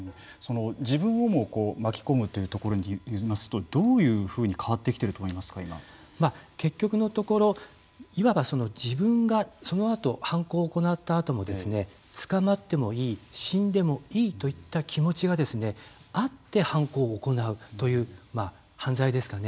自分をも巻き込むというところでいいますとどういうふうに変わってきていると思いますか結局のところいわば、自分がそのあと犯行を行ったあとも捕まってもいい死んでもいいといった気持ちがあって、犯行を行うという犯罪ですかね。